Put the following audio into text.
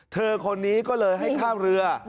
เธอคนนี้ก็เลยให้ข้าวเรือ